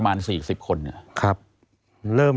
ตั้งแต่ปี๒๕๓๙๒๕๔๘